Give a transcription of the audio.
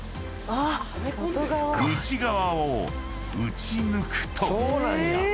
［内側を打ち抜くと］